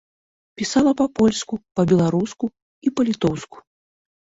Пісала па-польску, па-беларуску і па-літоўску.